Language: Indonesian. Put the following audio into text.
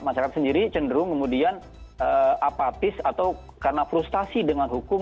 masyarakat sendiri cenderung kemudian apatis atau karena frustasi dengan hukum